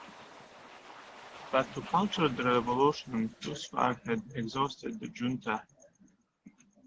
But to culture the Revolution thus far had exhausted the Junta.